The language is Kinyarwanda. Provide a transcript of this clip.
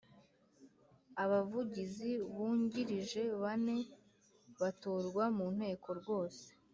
Abavugizi Bungirije bane batorwa munteko rusange